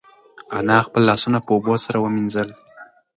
انا خپل لاسونه په اوبو سره ومینځل.